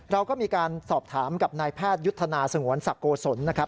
เราก็มีการสอบถามกับนายแพทยุทธนาสงวนศักดิโกศลนะครับ